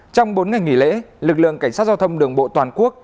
trong bốn ngày nghỉ lễ lực lượng cảnh sát giao thông đường bộ toàn quốc